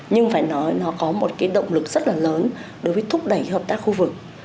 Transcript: nhưng phải nói nó có một cái động lực rất là lớn đối với thúc đẩy hợp tác khu vực